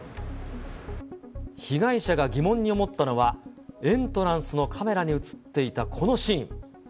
被害者が疑問に思ったのは、エントランスのカメラに写っていたこのシーン。